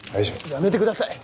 やめてください！